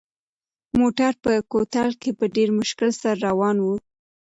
موټر په کوتل کې په ډېر مشکل سره روان و.